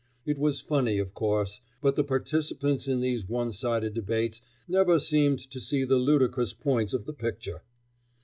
It was funny, of course, but the participants in these one sided debates never seemed to see the ludicrous points of the picture.